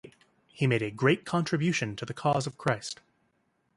He made a great contribution to the cause of Christ.